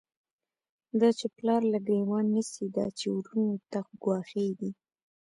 دا چی پلار له گریوان نیسی، دا چی وروڼو ته گوا ښیږی